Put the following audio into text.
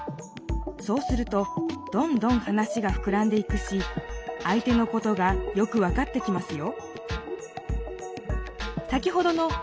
そうするとどんどん話がふくらんでいくしあい手のことがよく分かってきますよ。